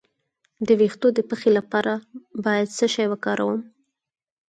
د ویښتو د پخې لپاره باید څه شی وکاروم؟